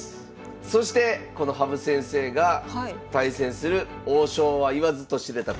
そしてこの羽生先生が対戦する王将は言わずと知れたこの方でございます。